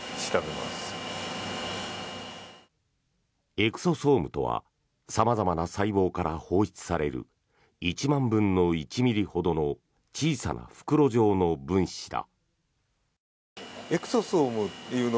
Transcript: エクソソームとは様々な細胞から放出される１万分の１ｍｍほどの小さな袋状の分子だ。